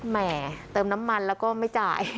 แห่เติมน้ำมันแล้วก็ไม่จ่าย